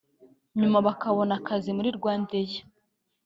nyuma bakabona akazi muri RwandAir